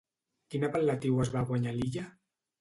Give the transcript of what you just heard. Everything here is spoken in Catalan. Quin apel·latiu es va guanyar l'illa?